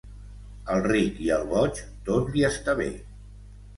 Al ric i al boig tot li està bé.